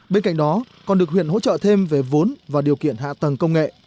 bên cạnh đó còn được huyện hỗ trợ thêm về vốn và điều kiện hạ tầng công nghệ